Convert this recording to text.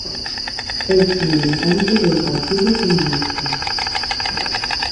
Es militante del Partido Comunista.